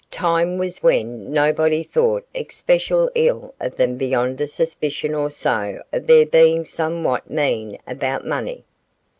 Time was when nobody thought especial ill of them beyond a suspicion or so of their being somewhat mean about money.